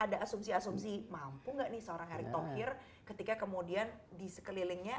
ada asumsi asumsi mampu gak nih seorang harry topir ketika kemudian di sekelilingnya